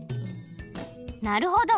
なるほど。